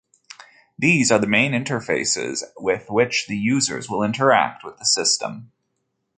These are the main interfaces with which the users will interact with the system.